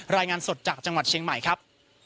รายงานสดจากจังหวัดเชียงใหม่ครับ